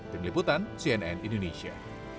pemiliputan cnn indonesia